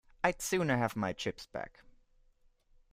I'd sooner have my chips back.